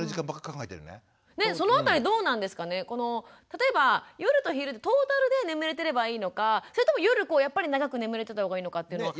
例えば夜と昼トータルで眠れてればいいのかそれとも夜やっぱり長く眠れてた方がいいのかっていうのは。